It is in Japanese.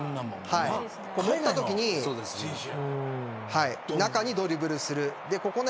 もったときに中にドリブルする。